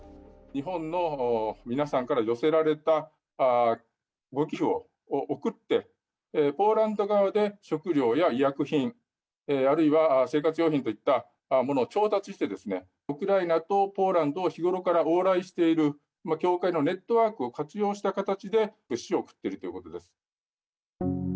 日本の皆さんから寄せられたご寄付を送って、ポーランド側で食料や医薬品、あるいは生活用品といったものを調達して、ウクライナとポーランドを日頃から往来している教会のネットワークを活用した形で、物資を送っているということです。